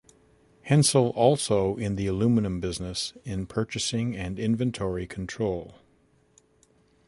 Hensel also in the aluminium business in purchasing and inventory control.